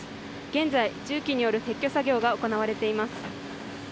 現在、重機による撤去作業が行われています。